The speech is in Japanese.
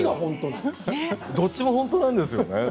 どっちが本当なんですか？